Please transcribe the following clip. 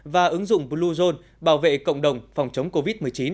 và ứng dụng bluezone bảo vệ cộng đồng phòng chống covid một mươi chín